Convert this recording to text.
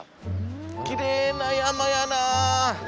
きれいな山やな。